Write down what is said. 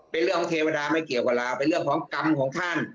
เป็นเรื่องของเทวดาไม่เกี่ยวกับลาวเป็นเรื่องของกรรมของท่าน